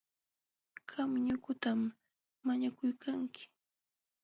Qam chukutam mañakuykanki.,